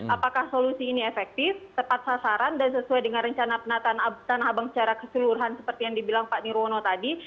apakah solusi ini efektif tepat sasaran dan sesuai dengan rencana penataan tanah abang secara keseluruhan seperti yang dibilang pak nirwono tadi